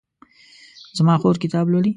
زما خور کتاب لولي